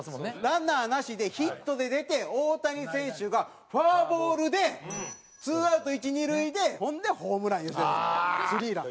ランナーなしでヒットで出て大谷選手がフォアボールでツーアウト一二塁でほんでホームラン吉田選手３ラン。